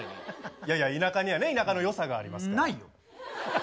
いやいや田舎にはね田舎の良さがありますから。